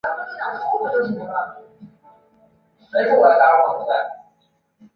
下贝格基兴是德国巴伐利亚州的一个市镇。